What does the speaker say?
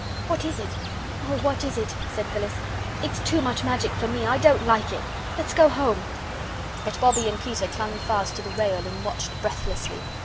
"What is it? Oh, what is it?" said Phyllis; "it's much too magic for me. I don't like it. Let's go home." But Bobbie and Peter clung fast to the rail and watched breathlessly.